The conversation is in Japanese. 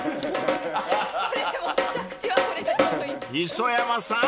［磯山さん